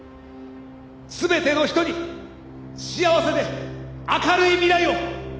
「すべての人に幸せで明るい未来を！」